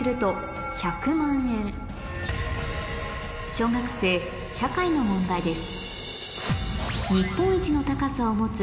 小学生社会の問題です